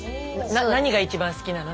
何が一番好きなの？